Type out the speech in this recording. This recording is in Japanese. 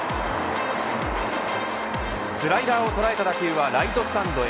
スライダーを捉えた打球はライトスタンドへ。